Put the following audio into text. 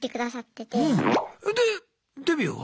でデビューは？